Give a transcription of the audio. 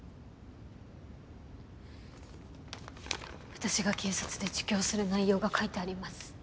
私が警察で自供する内容が書いてあります。